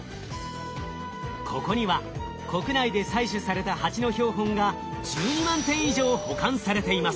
ここには国内で採取されたハチの標本が１２万点以上保管されています。